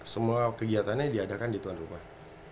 semua kegiatannya diadakan di tuan rumah